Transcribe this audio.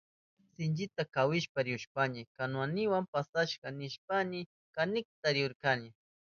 Sinchita kawishpa rihushpayni kanuwayniwa pasasha nishpayni kanikta rirkani.